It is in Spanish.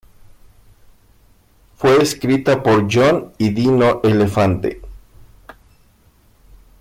Fue escrita por John y Dino Elefante.